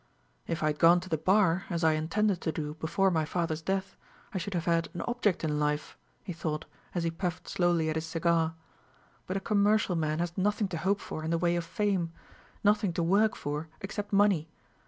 "If I had gone to the Bar, as I intended to do before my father's death, I should have had an object in life," he thought, as he puffed slowly at his cigar; "but a commercial man has nothing to hope for in the way of fame nothing to work for except money.